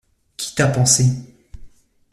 Qui t'a pansé?